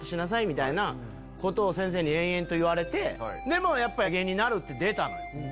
みたいな先生に延々と言われてでもやっぱ芸人になる！って出たのよ。